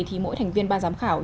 thì mỗi thành viên ban giám khảo